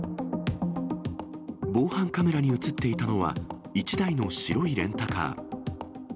防犯カメラに写っていたのは、１台の白いレンタカー。